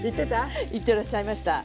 言ってらっしゃいました。